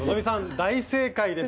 大正解です。